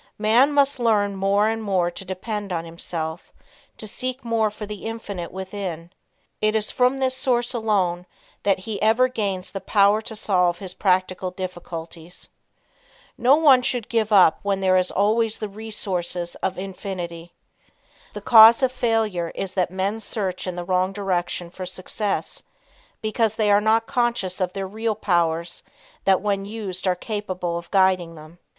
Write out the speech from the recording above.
Man must learn more and more to depend on himself; to seek more for the Infinite within. It is from this source alone that he ever gains the power to solve his practical difficulties. No one should give up when there is always the resources of Infinity. The cause of failure is that men search in the wrong direction for success, because they are not conscious of their real powers that when used are capable of guiding them.